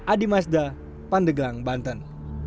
adi mazda pandegang banten